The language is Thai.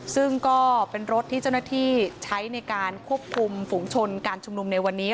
ซึ่งก็เป็นรถที่เจ้าหน้าที่ใช้ในการควบคุมฝุงชนการชุมนุมในวันนี้